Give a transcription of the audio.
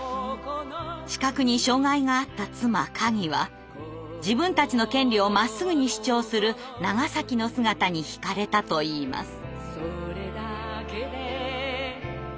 視覚に障害があった妻かぎは自分たちの権利をまっすぐに主張する長の姿に惹かれたといいます。